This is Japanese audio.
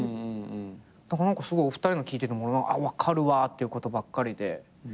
だからお二人の聞いてても分かるわってことばっかりで。